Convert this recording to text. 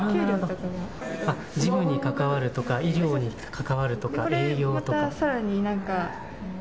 事務に関わるとか医療に関わるとか。